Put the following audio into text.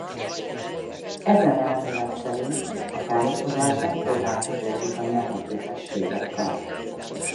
Ezen elmélet szerint a károsodás nem korlátozódik a nyelvi képességekre.